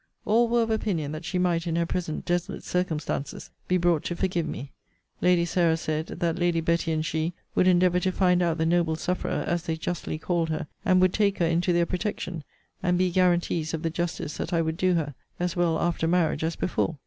All were of opinion, that she might, in her present desolate circumstances, be brought to forgive me. Lady Sarah said, that Lady Betty and she would endeavour to find out the noble sufferer, as they justly called her; and would take her into their protection, and be guarantees of the justice that I would do her; as well after marriage as before.